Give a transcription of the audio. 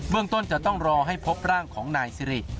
เมืองต้นจะต้องรอให้พบร่างของนายสิริ